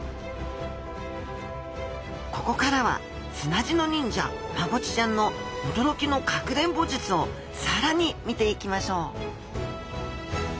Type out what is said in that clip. ここからは砂地の忍者マゴチちゃんの驚きのかくれんぼ術を更に見ていきましょう！